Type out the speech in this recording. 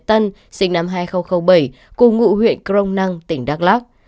tân sinh năm hai nghìn bảy cùng ngụ huyện crong năng tỉnh đắk lắc